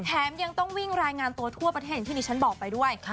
แถมยังต้องวิ่งรายงานตัวทั่วประเทศอย่างที่ดิฉันบอกไปด้วย